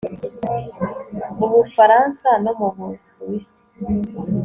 mu bufaransa no mu busuwisi